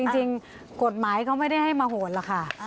จริงกฎหมายเขาไม่ได้ให้มาโหดหรอกค่ะ